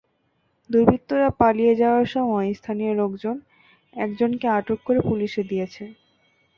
দুর্বৃত্তরা পালিয়ে যাওয়ার সময় স্থানীয় লোকজন একজনকে আটক করে পুলিশে দিয়েছে।